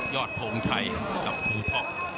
ยอดธงชัยกับอูท่อ